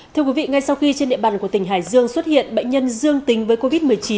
thưa quý vị ngay sau khi trên địa bàn của tỉnh hải dương xuất hiện bệnh nhân dương tính với covid một mươi chín